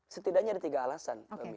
setidaknya ada tiga alasan